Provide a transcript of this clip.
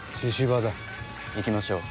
行きましょう。